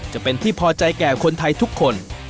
จะเป็นที่พอใจแก่คนไทยทุกคน